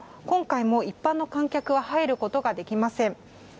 今回も一般の観客は入ることができません。